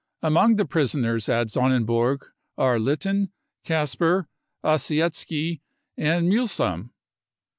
Among the prisoners at Sonnenburg are Litten, Kasper, Ossietzky and Muhsam.